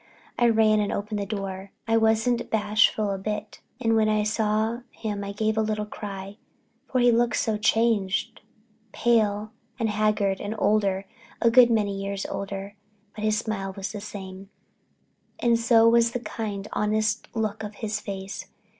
I ran and opened the door—I wasn't bashful a bit—and when I saw him I gave a little cry, for he looked so changed, pale and haggard and older, a good many years older. But his smile was the same, and so was the kind, honest look of his face.